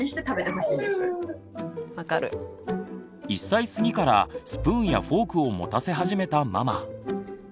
１歳すぎからスプーンやフォークを持たせ始めたママ。